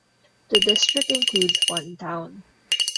The district includes one town.